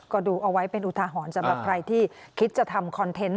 ก็ดูเอาไว้เป็นอุทาหรณ์สำหรับใครที่คิดจะทำคอนเทนต์